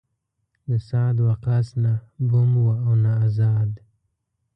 د سعد وقاص نه بوم و او نه زاد.